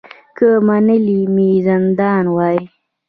که منلی مي زندان وای